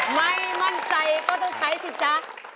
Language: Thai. ไม่มั่นใจก็ต้องใช้สิจ๊ะ